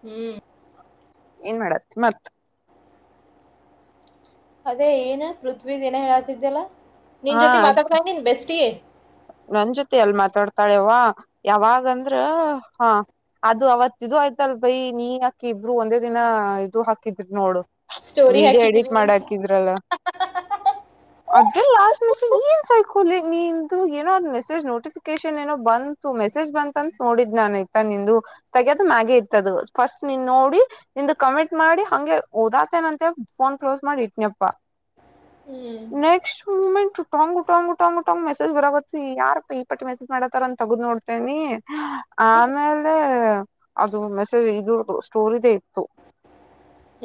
ಹ್ಮ್ ಏನ್ ಮಾಡತಿ ಮತ್ ಅದೇ ಏನ್ ಪೃಥ್ವೀದ್ ಏನ ಹೇಳಾತಿದ್ದ್ಯಲ್ಲ ನಿನ್ ಹಾ ಜೊತೆ ಮಾತಾಡ್ತಾ ಇದೀನ್ ಬೆಸ್ಟಿ ನನ್ ಜೊತೆ ಅಲ್ ಮಾತಾಡ್ತಾಳೆವ ಯಾವಾಗಂದ್ರ ಹಾ ಅದು ಅವತ್ ಇದು ಆಯ್ತಲ್ ಭೈ ನೀ ಅಕಿ ಇಬ್ರು ಒಂದೇ ದಿನ ಇದು ಹಾಕಿದ್ರಿ ನೋಡು ಸ್ಟೋರಿ ವಿಡಿಯೋ ಎಡಿಟ್ ಹಾಕಿದೀವಿ ಮಾಡ ಹಾಕಿದ್ರಲ್ಲ ಅದೇ ಲಾಸ್ ಮೆಸೇಜ್ ಏನ್ ಸಾಯಕಲಿ ನೀನ್ ಏನೋ ಅ್ ಮೆಸೇಜ್ ನೋಟಿಫಿಕೇಶನ್ ಏನೋ ಬಂತು ಮೆಸೇಜ್ ಬಂತ ಅಂತ ನೋಡಿದ್ ನಾನು ಆಯ್ತಾ ನಿಂದು ತಗಯದು ಆಗೇ ಇತು ಫಸ್ಟ್ ನಿನ್ ನೋಡಿ ನಿಂದ್ ಕಮೆಂಟ್ ಮಾಡಿ ಹಗೆ ಓದಾತೇಂತ ಫೋನ್ ಕ್ಲೋಸ್ ಮಾಡಿ ಇಟ್ನಿಯಪ್ಪ ಹ್ಮ್ ಟಂಗುಟ ಗುಟಂಗುಟಂಗ ರ ಯಾರಪ್ಪ ಈ ಪಟ್ಟಿ ಮೆಸೇಜ್ ಮಾಡತಾರ ಅಂತ ತಗೊಂಡ್ ನೋಡ್ತೇನಿ ಆಮೇಲೆ ಅದು ಮೆಸೇಜ್ ಇದರ್ದುು ಸ್ಟೋರ್ ಇದೇ ಇತ್ತು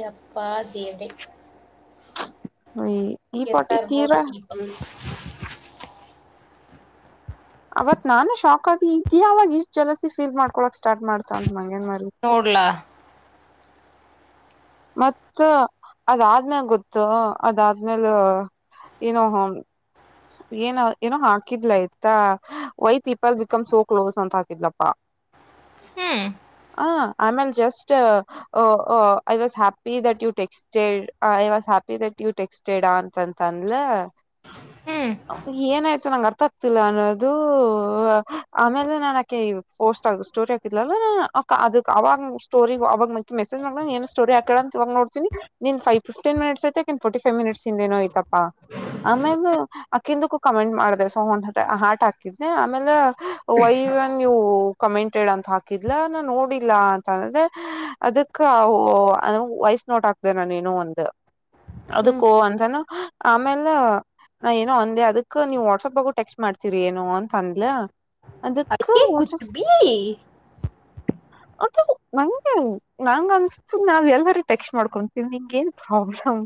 ಯಪ್ಪಾ ದೇವ್ರೇ ಈ ಈ ಪಾಟಿ ಯ್ತರ ನೋಡು ತೀರಾ ಅವತ್ ನಾನು ಶಾಕ್ ಆದ ಆಾವಾಗ ಇಷ್ಟ ಜಲಸಿ ಫೀಲ್ ಮಾಡ್ಕೊಕ್ ಸ್ಟಾರ್ಟ್ ಮಾಡ್ತ ಅಂತ ಮಂಗನ್ಮಾರ ನೋಡ್ಲಾ ಮತ್ತ ಅದಾದ್ಮ್ಯಲೆ ಗೊತ್ತು ಅದಾದ್ಮೇಲೆ ಇನ್ನುೋ ಏನ ಏನೋ ಹಾಕಿದ್ಲ ಆಯ್ತಾ why people become so close ಅಂತ ಹಾಕಿದ್ಲಪ್ಪಾ ಹ್ಮ್ ಹ ಆಮೇಲೆ just I was happy that you texted I happy that you texted ಅಂತಂತ ಅಂದ್ಲ ಹ್ಮ್ ಏನಾಯ್ತು ನಂಗೆ ಅರ್ಥ ಆಗ್ತಿಲ್ಲ ಅನ್ನೋದು ಆಮೇಲೆ ನಾನು ಅಕಿ ಫೋರ್ಸ್ ಸ್ಟೋರಿ ಹಾಕಿಲ್ಲ ಅದಕ್ ಅವಾಗ ಸ್ಟೋರಿ ಅವಾಗ ಮೈ ಮೆಸೇಜ್ ಮಾಡ ಏನ್ ಸ್ಟೋರಿ ಹಾಕ್ಯಾಲ ಅಂತ ನಡ್ತೀನಿ ನಿಂದ ಫಿಫ್ಟೀನ್ ಮಿನಿಟ್ಸ್ ಐತ ಆಕೀ ಫಾರ್ಟಿಫೈವ ಮಿನಿಟ್ಸ್ ಏನೋ ಐತಾ ಆಮೇಲೆ ಅಕಿಂದಕ್ಕೂ ಕಮೆಂಟ್ ಮಾಡಿದೆ ಸೊಹನ್ ಹಾಟ್ ಹಾಕಿದೆ ಆಮೇಲೆ ವೈವ ನೀವು ಕಮೆಂಟಡ್ ಅಂತ ಹಾಕಿದಿಲ್ಲ ನೋಡಿಲ್ಲ ಅಂತಂದ್ರೆ ಅದಕ್ಕ ವಯಸ್ ನೋಡ್ ಹಾಕ್ದೆನೆ ನೀನು ಒಂದ ಹ್ಮ್ ಅದಕ್ಕೋ ಅಂತಾನ ಆಮೇಲೆ ನಾ ಏನೋ ಅಂದೆ ಅದಕ್ ನೀವು ವಾಟ್ಸಪ್ ಬಾಗು ಟೆಕ್ಸ್ಟ್ ಮಾಡ್ತಿೀರಿ ಏನೋ ಅಂತ ಅಂದಲ ಅ ಕುಛ ಬಿ ಅದು ನಂಗೆ ನಂಗ ಅನ್ಸತ ನಾವ್ ಎಲ್ಲಾರೀಟೆಕ್ಷ ಮಾಡ್ಕೊಂತೀವಿ್ ನಿಂ ಏನ್ ಪ್ರಾಬ್ಲಮ್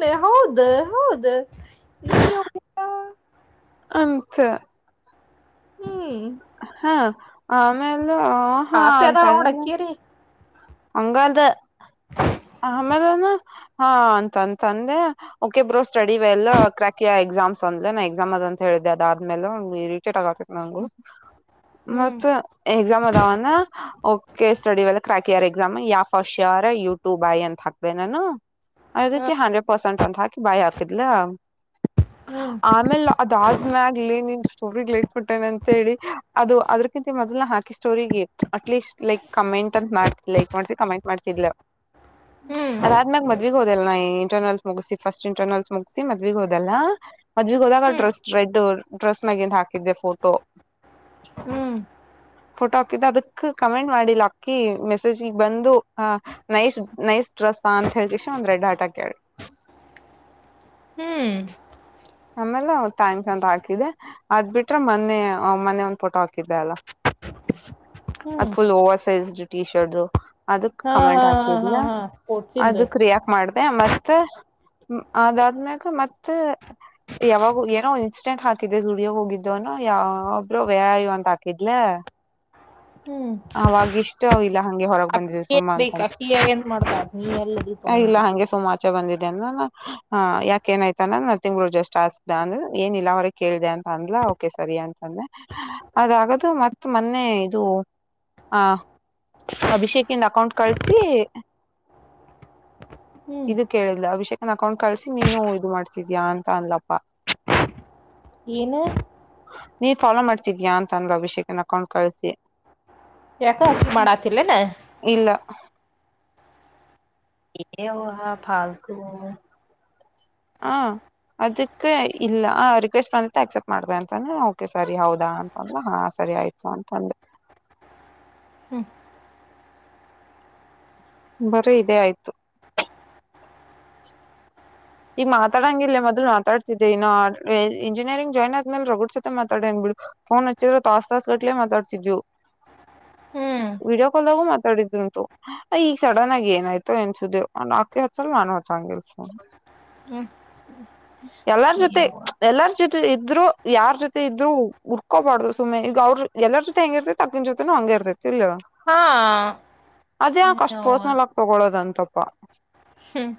ನ್ ಹೌದ ಹೌದ ಅಂತ ಹ್ಮ್ ಹಾ ಆಮೇಲೆ ಹಾ ಪಾಪಿ ಅಂತ ಅದಾಳ ನೋಡ್ ಅಕ್ಕಿರಿ ಹಂಗ ಅದ ಆಮೇಲೆಾನ ಹಾ ಅಂತಂತ ಅಂದೆ ಓಕೆ ಬ್ರೋ ಸ್ಟಡಿಲ್ಲ ಕ್ರಾಕಿ ಎಕ್ಸಾಮ್ಸ್ ಅಂದ ನಾ ಎಕ್ಸಾಮ್ ಅದ ಅಂತ ಹೇಳಿದ್ದೆ ಅದಾದ ಆದ್ಮೇಲೆ ಇರಿಟೇಟ್ ಆಗತಿತ್ ನಂಗಗು ಹ್ಮ್ ಮತ್ತ ಎಕ್ಸಾಮ್ ಅದಾವ ಓಕೆ ಸ್ಟಡಿ ವ ಕ್ರಾಕ್ ಇಯರ್ ಎಕ್ಸಾಮ್ ಯ ಫಸ್ಟ್ರ್ ಯ ಟು ಬಾಯ ಅಂತ ಹಾಕ್ದೆ ನಾನು ಅದಕ್ಕೆ ಹಂಡ್ರೆಡ್ ಪರ್ಸೆಂಟ್ ಅಂತ ಹಾಕಿ ಬಾಯ ಹಾಕಿದ್ಲ ಹ್ಮ್ ಆಮೇಲ್ ಅದಾದ್ಮ್ಯಾಗಲಿ ನೀನ್ ಸ್ಟೋರಿಗ್ೈಟ್ಬಟ್ಟೇನೆ ಅಂತೇಳಿ ಅದು ಅದ್ರ ಯಾಕಂತ ಮೊದ್ನ ಹಾಕಿ ಸ್ಟೋರಿರಿಗೆ ಅಟ್ಲೀಸ್ಟ್ ಲೈಕ್ ಕಮೆಂಟ್ ಅಂತ ಮಾಡ್ತಿ ಲೈಕ್ ಮಾಡ್ತಿವಿ ಕಮೆಂಟ್ ಮಾಡ್ತಿಾ ಹ ಅದಾದ್ಮ್ಯಾಗ ಮದ್ವಿಿಗೆ ಹೋದೆಲ್ಲ ನಾ ಇಂಟರ್ನಲ್ಸ್ ಮುಗಿಸಿಿ ಫಸ್ಟ್ ಇಂಟರ್ನಲ್ ಮುಗಿಸಿ ಮದ್ವಿಗ ಹೋದೆಲ್ಲಾ ಮದ್ ಈಗ ಹೋದಾಗ ಡ್ರೆಸ್ ರೆಡ್ ಡ್ರೆಸ್ ಮಗಿಂದ ಹಾಕಿದ್ದೆ ಫೋಟೋ ಹ್ಮ್ ಫೋಟೋ ಹಾಕಿದ್ದ ಅದಕ್ ಕಮೆಂಟ್ ಮಾಡಿಿಲ್ಲ ಅಕ್ಕಿ ಮೆಸೇಜ್ ಬಂದು ಆ ನೈಸ್ ನೈಸ್ ಡ್ರೆಸ್ಸ ಅಂತ ಹೇಳಕಷ ಒಂದ್ರೆಡ್ ಆಟಾ ಕೇಳಿ ಹ್ಮ್ ಆಮೇಲೆ ಥ್ಯಾಂಕ್ಸ್ ಅಂತ ಹಾಕಿದ್ದೆ ಅದ್ ಬಿಟ್ರೆ ಮೊೆ ಮೊನೆೆ ಒಂದ್ ಫೋಟೋ ಹಾಕಿದ್ದೆ ಅಲ್ಲ ಅದ ಹ್ಮ್ full over sized T shirt ಅದಕ್ ಹಾ ಹಾ ಕಮೆಂಟ್ ಹಾ ಹಾಕ್ತ ಹಾ ಲ್ಲ ಹಾ ಸ್ಪೋರ್ಟ್ಸಿಂದ ಅದ ಕರಿಯಾಕ್ ಮಾಡ್ದ ಮತ್ತ ಅದಾದ್ಮ್ಯಾಗ ಮತ್ತ ಯಾವಾಗ ಏನೋ ಇನ್ಸ್ಟೆಂಟ್ ಹಾಕಿದೆ ುಡಿಯೋಗ ಹೋಗಿದ್ದುನೋ ಯಾವಬ್್ರರು ವೇರ ಇವ ಅಂತ ಹಾಕಿದ್ಲ ಹ್ಮ್ ಅವಾಗ ಇಷ್ಟ ಇಲ್ಲ ಹಂಗೆ ಹೊರಗ ಬಂದಿದೆ ಅಕ್ಕಿ ಸುಮಾ ಬೇಕ ಅಂತಂತ ಅಕ್ಕಿ ಏನ್ ಮಾಡ್ತಾಳ ನೀ ಎಲ್ಲದಿ ಇಲ್ಲ ತಗೊಂಡ್ ಹಗೆ ಸೋಮಾ ಆಚೆ ಬಂದಿದೆ ಯಾಕ ಏನಯ್ತ ಅ ತಿಂಗಂಗಳು ಜಸ್ಟ್ ಆಸ್ಿದೆ ಅಂದ್ರೆ ಏನಿಲ್ಲಲ್ಲ ಅವ್ರ ಕೇಳಿದೆ ಅಂತ ಅಂದಲ ಕೆ ಸರಿ ಅಂತಾನೆ ಅದಾಗದು ಮತ್ತ ಮೊನ್ನೆ ದು ಹ ಅಭಿಷೇಕಿಂದ ಅಕೌಂಟ್ ಕಳಸಿ ಹ್ಮ್ ಇದು ಕೇಳಿಲ್ಲ ಅಭಿಷೇಕ್ ನನ್ನ ಅಕೌಂಟ್ ಕಳ್ಸಿ ನೀನು ಇ ಮಾಡ್ತಿದ್ಯಾ ಅಂತ ಅನ್ಲಪ್ಪ. ಏನು ನೀನ್ ಫಾಲೋ ಮಾಡ್ತಿದ್ಯಾಾ ಅಂದಲ್ ಅಭಿಷೇಕನ್ ಅಕೌಂಟ್ ಕಳ್ಸಿ. ಯಾಕ ಹಕಿ ಮಾಡಾತಿಲ್ಲನೆ. ಇಲ್ಲ [inaudible] ಏ ಫಾಲ್ತು ಹಾ ಅದಕ್ಕೆ ಇಲ್ಲ ರಿಕ್ವೆಸ್ಟ್ ಬಂದ ಆಕ್ಸೆಪ್ಟ ಮಾಡ್ದ ಅಂತಾನ ಓಕೆ ಸರಿ ಹೌದಾ ಅಂತಂದ್ರೆ ಹಾ ಸ. ಸರಿ ಆಯ್ತು ಅಂತಂಡೆ. [unintelligible] [inaudible] [inaudible] ಬರೀ ಇದದೆ ಆಯ್ತು ಈಗ ಮಾತಾಡಂಗಿಲ್ಲ ಮೊದ್ಲು ಮಾತಾಡ್ತಿದ್ದೆ ಇನ್ನು ಇಂಜಿನಿಯರಿಂಗ್ ಜಾಯ್ನ್ ಆದ್ಮೇಲೆ ರಗುಡ್ ಸತೆ ಮಾತಾಡಂಗ್ ಬಿು ಫೋನ್ ಹಚ್ಚಿದ್ರೆ ತಾಸ್ ತಾಸ್ ಕಟ್ಲೆೇ ಮಾತಾಡ್ತಿದಿದ್ದು ಹ ವಿಡಿಯೋ ಕಾಲ್ ದಾಗ ಮಾತ್. ತಡಿದ್ ಉಂಟು ಈಗ ಸಡನ್ ಆಗಿ ಏನಾಯ್ತು ಎನ್ಸುದೇವ ಆಕೆ ಹೊಚ್ಚಲ್ ನಾನು ಹೊಚ್ಚಂಗ ಇಲ್ಸ. ಹ್ಮ ಎಲ್ಲಾರ್ ಜೊತೆ ಎಲ್ಲಾರ್ ಜೊತೆ. ಇದ್ರು ಯಾರ ಜೊತೆ ಇದರು ಉರ್ಕೋಬಾರ್ದು ಸುಮ್ಮನೆ ಈಗ ಅವ್ರರು ಎಲ್ಲರ ಜೊತೆ ಹೆಂಗ ಇರ್ತೈತಿ ತಕ್ನ ಜೊತೆನು ಹಂಗೆ ಇರ್ಬೇಕು. ಇಲ್ ಹಾ ಅದೇ ಕಷ್ಟ ಯವ್ವ ಪೋರ್ಸ್ನಲ್ ಆಗ ತಗೊಳೋದಂತಪ್ಪ. ಹ್ಮ್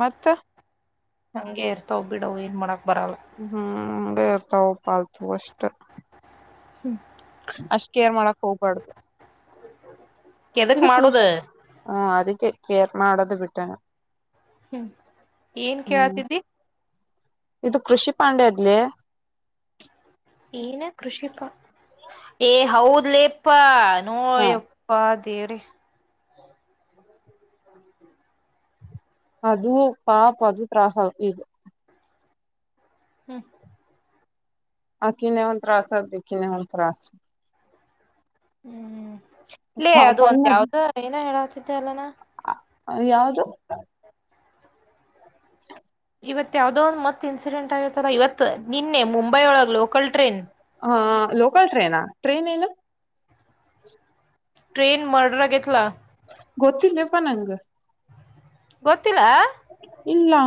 ಮತ್ತ ಹಂಗೆ ಇರ್ತವ್ ಬಿಡ ಏನ್ ಮಾಡ. ಹ್ಮ್ ಬೇ ಇರ್ತಾವ ಪ ಆಲ್ತ ಅಷ್ಟ. ಹ್ಮ್ ಅಷ್ಟ ಕೇರ್ ಮಾಡಕ್ ಹೋಗ್ಬಾರ್ದು. ಎದಕ್ ಇದು ಕೃಷ ಮಾಡುದ ಹ ಅದಕ್ಕೆ ಕೇರ್ ಮಾಡಡೋದ ಬಿಟ್ಟಾನ. ಹ್ಮ್ ಏನ್ ಕೇಳತಿದ್ದಿ. ಇದು ಕೃಷಿ ಪಾಂಡೆದ್ಲಿ. ಏನ ಕೃಷಿಪಾ ಏ ಹೌದ್ಲಿಪ್ಪಾ ಹ ನೋಯ್ಯಪ್ಪ. ೇರಿ [inaudible] ಅದು ಪಾಪ ಅದು ತ್ರಾಸ ಆಗ್ ಇದು. ಹ್ಮ್ ಹಕಿನ್ ಒನ್ ತ್ರಾಸ ಬೇಕಿ ನ ಒನ್ ತ್ರಾಸ. ಹ್ಮ್ ಇಲ್ಲೇ ಅದು ಒಂದ ಪಾಪಣ್ಣ ಯಾವ್ದ ಏನ ಹೇಳತಿದ್ದ ಅಲ್ಲನಾ. ಅ ಯಾವ್ದು. ಇವತ್ ಯಾವ್ದೋ ಒಂದ್ ಮತ್ ಇನ್ಸಿಡೆಂಟ್ ಆಗಿತ್ತಲ್ಲ ಇವತ್ ನಿನ್ನೆ ಮುಂಬೈ ಒಳಗ್ ಲೋಕಲ್ ಟ್ರೈನ್. ಹ ಲೋಕಲ್ ಟ್ರೇನಾ ಟ್ರೈನ್ ಏನು. ಟ್ರೇನ್ ಮರ್ಡರ [inaudible] ಗೊತ್ತಿಲ್ಲಪ್ಪ ನಂಗ. ಗತ್ತ [inaudible] ಇಲ್ಲಾ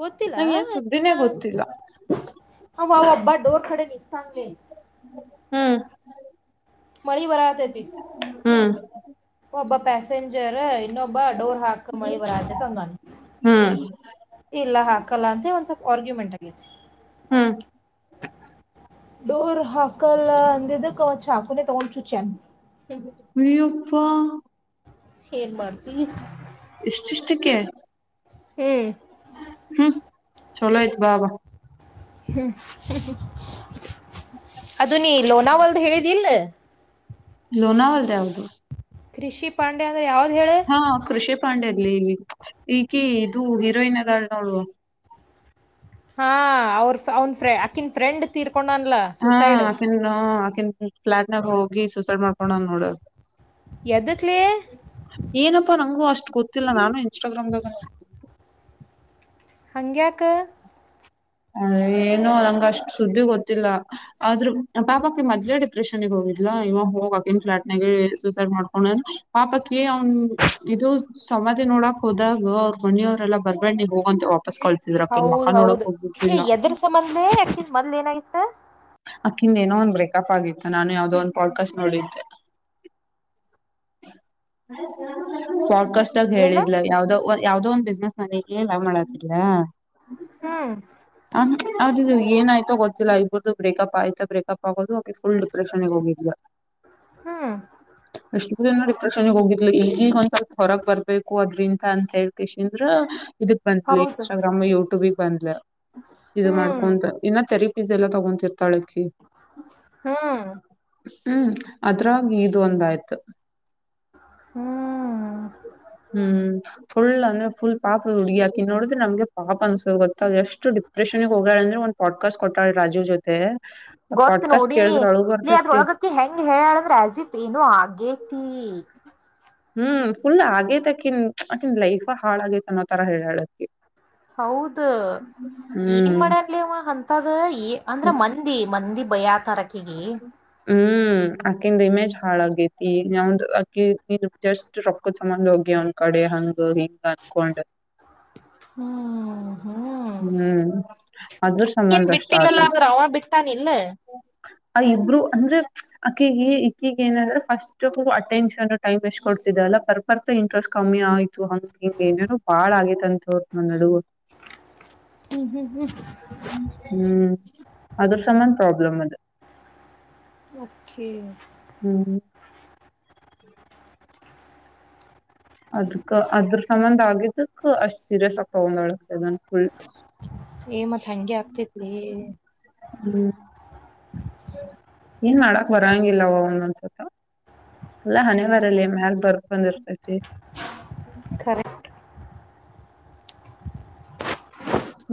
ಗೊತ್ತಿಲ್ಲಾ. ಸುದ್ದಿನೇ ಗೊತ್ತಿಲ್ಲ ಹಾವು ಅಬ್ಬಾ ಡೋರ್ ಕಡೆ ನಿಕ್ತೆ. ಹ್ಮ್ ಮಳಿ ಬರತೈತಿ ಹ್ಮ್. ಸೆಂಜರ್ ಇನ್ನೊಬ ಡೋರ್ ಹಾಕ ಮಳಿ ಬರದೆ ತಂದಾನ. ಹ್ಮ್ ಇಲ್ಲ ಹಾಕಲ್ಲ ಅಂತ ಒಂದ್ ಸ್ವಲ್ ಆರ್ಗ್ಯುಮೆಂಟ್ ಆಗ. [inaudible] ಡೋರ್ ಹಾಕಲ ಅಂದದ ಚಾಕು ತಗೊಂಡ ಚುಚ್ ಚೆನ್. ವಿಯೂಪ್ಪ ಏನ್ ಮಾಡ್ತಿ ಕ್ಕೆ ಹ್ಮ್ ಹ್ಮ್ ಚಲೋ ಆಯ್ತ ಬಾಬಾ ಹ್ಮ್ [unintelligible] ಅದು ನೀ ಲೋನಾವಲ್ದ ಹೇಳಿದಲ್ಲ ಹೌದು ಕೃಷಿ ಪಾಂಡೆ ಅಂದ್ರ ಯಾವ್ದ್ ಹೇಳ ಪಾಂಡೆಲಲ್ಲಿ ಈಗ ಇದು ಹೀರೋಯಿನ್ ಇದ್ದಾಳ್ ನೋಡು ಹಾ ಅವ್ರ ಅವನ್ ಫ್ರ ಅಕನ್ ಫ್ರೆಂಡ್ ತೀರ್ ಹಾ ಆಕನ್ ಆಕನ್ ಫ್ಲಾಟ್ನಾಗ ಹೋಗಿ ಸೂಸೈಡ್ ಮಾಡ್ಕೊಂಡ್ ನೋಡ. ಎದಕ್ಲೇ ಏನಪ್ಪಾ ನಂಗು ಅಷ್ಟ. ಅಷ್ಟ ಗೊತ್ತಿಲ್ಲ ನಾನು ಇನ್ಸ್ಟಾಗ್ರಾಮ್ದಾಗ ಹಂಗ್ಯಾಕ. [inaudible] ಏನೋ ನಂಗ ಅಷ್ಟ್ ಸುದ್ದಿ ಗೊತ್ತಿಲ್ಲ ಆದ್ರ ಪಾಪಪ್ಪಿ ಮೊದ್ಲೇ ಡಿಪ್ರೆಷನ್ಗ್ ಹೋಗಿದ್ಲು ಇವಾಗ ಹೋಗಕನ್ ಫ್ಲಾಟ್ ನ ಸೂಸೈಡ್ ಮಾಡ್ಕೊಂಡ ಪಾಪಕ್ಕ ಅವ್ನ್ ಇದು ಸಮಾಧಿ ನೋಡ ಹೋದಾಗ ಅವ್ರ ಮನೆಯವರೆಲ್ಲ ಬರ್ಬೇಡ್ ನೀ ಹೋಗಂತ ವಾಪಸ್ ಕಳ್ಸಿದ್ರು ಅಕೀ ಹೌದ್ ಮಕಾ ನೋಡಕ್ ಹೌದ್ ಬಿಡ್ಲಿಲ್ಲ ಎದ್ರ ಸಂಬಂದೆ ಅಕಿ ಮದ್ವೆ ಆಗ್ ಅಕಿಿಂದ ಏನೋ ಒಂದ್ ಬ್ರೇಕಪ್ ಆಗಿತ್ತು ನಾನು ಯಾವ್ದೋ ಒಂದ್ ಪಾಡ್ಕಾಸ್ಟ್ ನೋಡಿದ್ದೆ ಸ [unintelligible] ಕಸ [unintelligible] ಏನ ಹೇಳಿದ್ಲ ಯಾವ್ದೋ ಯಾವ್ದದೋ ಒಂದ್ ಬಿಸ್ನೆಸ್ ನನಗೆ ಲ [unintelligible] ಹ್ಮ್ ಅವ್ರ ಏನ್ಾಯ್ತೋ ಗೊತ್ತಿಲ್ಲ ಇಬ ಬ್ರೇಕಪ್ ಆಯ್ತಾ ಬ್ರೇಕಪ್ ಆಗೋದು ಅವೆ ಫುಲ್ ಡಿಪ್ರೆಷನ್ ಗೆ ಹೋಗಿದ್ಲಾ ಹ್ಮ್ ಅಷ್ಟು ದಿನಾ ರಿಪ್ರೆಷನ್ಗ್ ಹೋಗಿದ್ಲು ಈಗಗ ಒಂದ್ ಸ್ವಲ್ಪ ಹೊರಕ್ ಬರ್ಬೇಕು ಅದ್ರಿಂದ ಅಂತ ಹೇಳೇಳ್ ಕಳ್ಸಿದ್ರು ಇದಕ್ ಬಂದ್ಲು ಹೌದು ಇನ್ಸ್ಟಾಗ್ರಾಮ್ ಯೂಟ್ಯೂಬಗ್ ಬಂದ್ಲು ಇದು ಹ್ಮ್ ಮಾಡ್ಕೊಂತ ಇನ್ನ ಥೆರಪೀಸ್ ಎಲ್ಲಾ ತಗೊಂಡ ತಳಕಿ ಹ್ಮ್ ಹ್ಮ್ ಅದ್ರಾಗಿ ಇದು ಒಂದಯ್ತು ಹ್ಮ್ ಹ್ಮ್ ಫುಲ್ ಅಂದ್ರೆ ಫುಲ್ ಪಾಪದ್ ಹುಡ್ಗಿ ಅಕಿ ನೋಡಿದ್ರೆ ನಮಗೆ ಪಾಪ ಅನ್ಸೋದು ಗೊತ್ತ ಎಷ್ಟ ಡಿಪ್ರೆಷನ್ಗೆ ಹೋಗ್ಯಾಳ್ ಅಂದ್ರೆ ಪಡ್ಕಸ್ ಕೊಟ್ಳ್ ರಾಜು ಗೊತ್ ನೋಡಿನಿ ಲ್ಲಿ ಬರ್ತೈತಿ ಅದ್ರೊಳಗಕ್ಕೆ ಹೆಂಗ್ ಹೇಳಾಳಂದ್ರೆ ಅಜೀಫ್ ಏನು ಹಾಗೆ ಹ್ಮ್ ಹ್ಮ್ ಫುಲ್ ಆಗೇತಕನ್ ಅನ್ ಲೈಫ ಹಾಳಗೇತ ಅನ್ನೋತರ ಹೇಳಳಕಿ ಹೌದು ಏನ್ ಮಾಡ್ಯರ್ಲವ ಅಂತದ ಅಂದ್ರ ಮಂದಿ ಮಂದಿ ಭಯ ತರಕ ಹ್ಮ್ ಹ್ಮ್ ಅಕಿಂದ ಇಮೇಜ್ ಹಾಳಗೇತಿ ನ್ ಅಕ್ಕಿ ಜಸ್ಟ್ ರೊಕ್ಕದನ್ ಹೋಗಿವನ್ಕ ಕಡೆ ಹಂಗ ಹಿಂಗ ಅನ್ಕೊಂಡ ಹ [inaudible] ಹ್ಮ್ ಹ್ಮ್ ಹ್ಮ್ ಅದ್ರ ಏನ್ ಸಂಬಂಧ ಅಷ್ಟ ಆತ ಬಿಟ್ಟಿಲ್ಲಲ್ಲ ಅವ ಬಿಟ್ಟಾನ ಇಿಲ್ಲ ಹ್ಮ್ [inaudible] ಆ ಇಬ್ರು ಅಂದ್ರೆ ಅಕ್ಕಿಗೆ ಇಕ್ಕಿಗೆ ಏನಂದ್ರೆ ಫಸ್ಟ್ ಅಟೆನ್ಷನ್ ಟೈಮ್ ಎಷ್ಟ್ ಕೊಡ್ಸಿದ್ದಾರೆ ಲ್ಲ ಬರಬರ್ತಾ ಇಂಟ್ರೆಸ್ಟ್ ಕಮ್ಮಿ ಆಯ್ತು ಹಂಗ ಹಿಂಗ ಏನೇನೋ ಬಾಳ ಆಗೇತಂತ್ ನಡಗು ಹ್ಮ್ ಅದ್ರಸಮ್ಮನ್ ಪ್ರಾಬ್ಲಮ ಅದ ಓಕೆ ಹ್ಮ್ ಹ್ಮ ಆ ಅಷ್ಟ್ ಸೀರೆ ಸ್ವಪ ಒಂದೊಳಗ್ತದ ಏ ಮತ್ ಹಂಗೆ ಆಗ್ತೈತ್ಲಿ ಹ್ಮ್ ಏನ್ ಮಾಡಕ್ ಬರಂಗಿಲ್ಲವ ಒಂದೊಂದ್ಸತ ಅಲ್ಲಾ ಹನೆವಾರಲ್ಲಿ ಮ ಯ್ಯಲ್ ಬರ್ಕಂದಿರ್ತೈತಿ ಖರೆ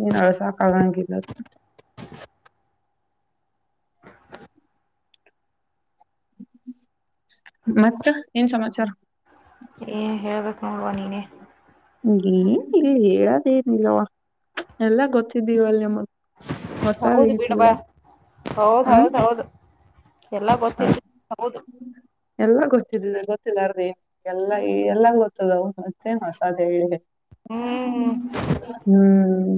ಏನಳೆ ಸಾಕಾಗಂಗಿಲ್ಲ ಮತ್ತ ಏನ್ ಸಮಾಚಾರ ಏ ಹೇಳ್ಬೇಕು ನೋಡುವ ನೀನೇ ಏನ್ ಹೇಳದೇಏನಲ್ವಾ ಎಲ್ಲ ಗೊತ್ತಿದ್ದೀವ ಅಲ್ ನಮ್ಮಗ್ ಹೊಸ ಹೌದು ವಿಸಿಲ್ಲ ಬಿಡವಾ ಹೌದ್ ಹ್ಮ್ ಹೌದ್ ಹೌದು ಎಲ್ಲಾ ಗೊತ್ತಿದ ಹೌದು ಎಲ್ಲ ಗೊತ್ತಿದ ಗೊತ್ತಿಲ್ಲಾರ್ದೇ ಎಲ್ಲಾ ಎಲ್ಲ ಗೊತ್ತದಾವ ಮತ್ತೇನು ಹೊಸದ ಹೇಳಿದೆ ಹ್ಮ್ ಹ್ಮ್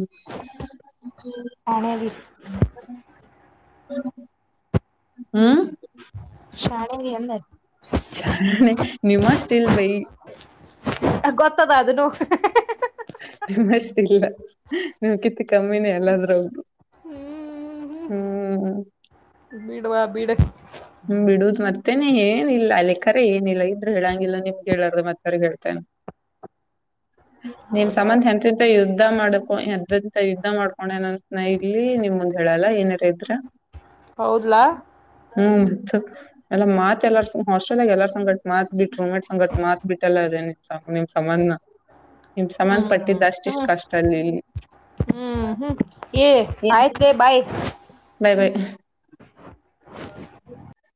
ಹಾಣಾಗಿ ಹ್ಮ ಶಾಣೆಗೆ ಎಂದ ನಿಮ್ಮ ಸ್ಟೀಲ್ ಬೈ ಗೊತ್ತದ ಅದನು ನಿಷ್ಟ ಇಲ್ಲ ನೀವು್ ಕಿತ್ ಕಮ್ಮಿನೇ ಎಲ್ಲಾದ್ರ ಒದು ಹ್ಮ್ ಬೀಡುುವ ಬೀಡ ಹ್ಮ್ ಬಿಡುದು ಮತ್ತೆ ಮತ್ತೇನೆ ಏನಿಲ್ಲ ಲೆಕ್ಕಾರೆ ಏನಿಲ್ಲ ಇದ್ರರು ಹೇಳಂಗಿಲ್ಲ ನಿಮ್ಗೆ ಹೇಳಾರ ಮತ್ತವ್ರ ಹೇಳ್ತೇನೆ ಹ ನಿಮ್ ಸಂಬಂ ಹೆತ್ರಿಂತ ಯುದ್ಧ ಮಾಡ್ಕೊ ಹೆದ್ರಂತ ಯುದ್ಧ ಮಾಡ್ಕೊಂಡ ನನ ಇಲಿ ನಿಮ್ ಮುಂದ ಹೇಳಲ್ಲಾ ಏನಯಾರ ಇದ್ರ ಹೌದ್ಲಾ ಹ್ಮ್ ಮ ಎಲ್ಲ ಮಾತ್ ಎಲ್ಲಾರ್ ಹಾಸ್ಟೆಲ್ಗೆ ಎಲ್ಲಾರ್ ಸಂಗಟ ಮಾತ್ ಬಿಟ್ಟ ರೂಮ್ೇಟ್ ಸಂಗಟ ಮಾತ್ ಬಿಟ್ಟ ಎಲ್ಲ ನಿ್ ನಿಮ್ ಸಮಾನ ನಿಮ್ ಸಮಾನ ಹ್ಮ್ ಪಟ್ಟಿದ್ದ ಅಷ್ಟಿಷ್ಟ ಹ್ಮ್ ಕಷ್ಟ ಅಲ್ಲಿ ಇಲ್ಲಿ ಹ್ಮ್ ಹ್ಮ್ ಏ ಆಯ್ತ ಬಾಯ್ ಹ